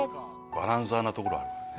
バランサーなところあるからね。